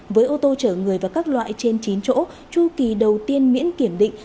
với ô tô chở người và các loại trên chín chỗ chu kỳ đầu tiên miễn kiểm định